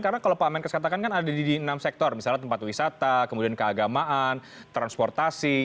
karena kalau pak amen kata kan ada di enam sektor misalnya tempat wisata kemudian keagamaan transportasi